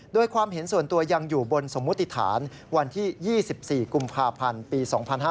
โดยความเห็นส่วนตัวยังอยู่บนสมมุติฐานวันที่๒๔กุมภาพันธ์ปี๒๕๕๙